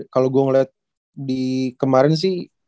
kalo gua ngeliat di kemarin sih